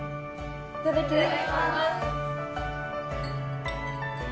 いただきます。